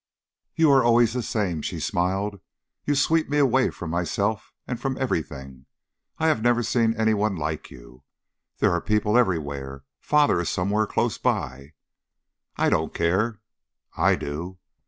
"You are always the same," she smiled. "You sweep me away from myself and from everything. I have never seen any one like you. There are people everywhere. Father is somewhere close by." "I don't care " "I do."